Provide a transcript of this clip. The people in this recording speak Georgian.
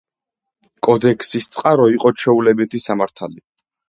კოდექსის წყარო იყო ჩვეულებითი სამართალი.